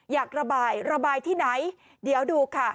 อยากระบายระบายที่ไหนเดี๋ยวดูค่ะ